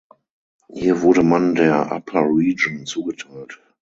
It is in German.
Hier wurde man der Upper Region zugeteilt.